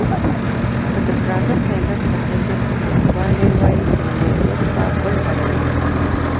که د ګرانښت علت د حجم زیاتوالی وای نو وضعیت به بل ډول و.